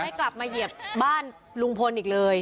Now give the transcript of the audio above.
ไม่รู้ไปเหยียบบ้านลุงพลอีกเลย